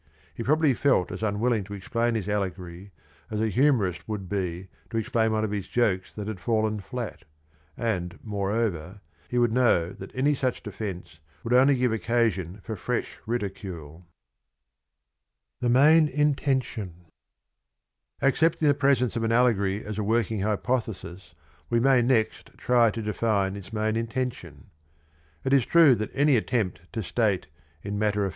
He probably felt as unwilling to explain his allegory as a humorist would be to explain one of his jokes that had fallen flat, and moreover he would know that any such defence would only give occasion for fresh ridicule. Accepting the presence of an allegory as a working hypothesis we may next try to define its main intention. It is true that any attempt to state in matter of fact prose 1 Letter of 28th September, 1817.